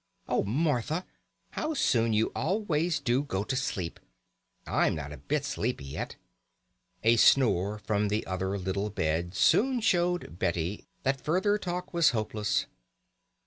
"Oh, Martha, how soon you always do go to sleep! I'm not a bit sleepy yet." A snore from the other little bed soon showed Betty that further talk was hopeless.